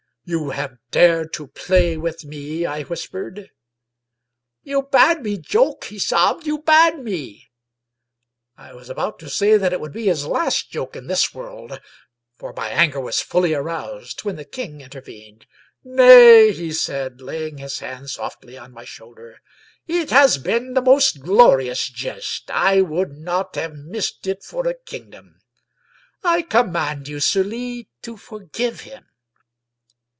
" You have dared to play with me ?" I whispered. " You bade me joke," he sobbed, " you bade me." I was about to say that it would be his last joke in this world — for my anger was fully aroused — when the king intervened. " Nay," he said, laying his hand softly on my shoulder. It has been the most glorious jest. I would not have missed it for a kingdom. I command you. Sully, to forgive him."